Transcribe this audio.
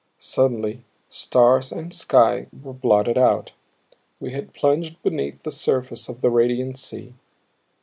Suddenly stars and sky were blotted out. We had plunged beneath the surface of the radiant sea.